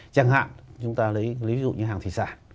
chẳng hạn chúng ta lấy ví dụ như hàng thủy sản